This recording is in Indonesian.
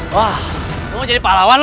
wah lu mau jadi pahlawan lu